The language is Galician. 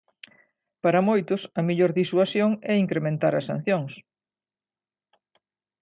Para moitos a mellor disuasión é incrementar as sancións.